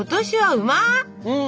うん！